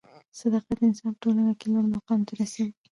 صدافت انسان په ټولنه کښي لوړ مقام ته رسوي.